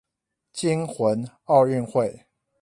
驚魂奧運會